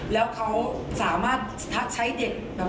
แล้วเขาสามารถทักใช้เด็ก